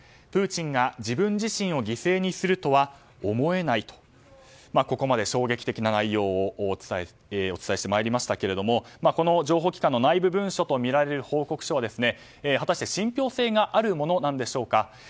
プーチンが自分自身を犠牲にするとは思えないとここまで衝撃的な内容をお伝えしてまいりましたけどもこの情報機関の内部文書とみられる報告書は果たして信憑性があるものなのでしょうか。